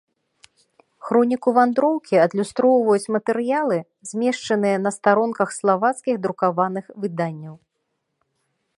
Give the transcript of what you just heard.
Хроніку вандроўкі адлюстроўваюць матэрыялы, змешчаныя на старонках славацкіх друкаваных выданняў.